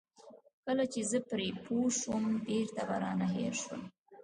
کله چې زه پرې پوه شوم بېرته به رانه هېر شول.